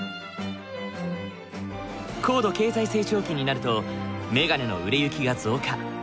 高度経済成長期になるとメガネの売れ行きが増加。